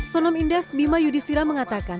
sonom indah bima yudhistira mengatakan